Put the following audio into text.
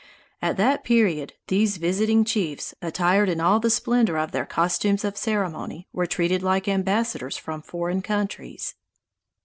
At that period, these visiting chiefs, attired in all the splendor of their costumes of ceremony, were treated like ambassadors from foreign countries.